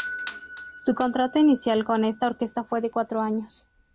Su contrato inicial con esta orquesta fue de cuatro años.